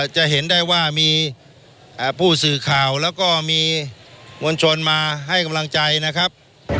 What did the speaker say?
จะเห็นได้ว่ามีผู้สื่อข่าวแล้วก็มีมวลชนมาให้กำลังใจนะครับ